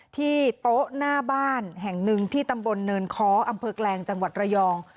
ที่โต๊ะหน้าบ้านแห่งหนึ่งที่ตำบลเนินค้ออำเภอแกลงจังหวัดระยอง